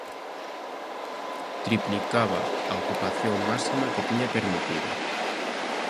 Triplicaba a ocupación máxima que tiña permitida.